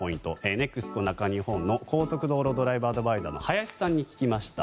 ＮＥＸＣＯ中日本の高速道路ドライブアドバイザーの林さんに聞きました。